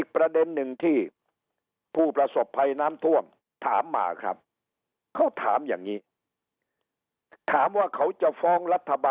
คือจำได้มี่ครับ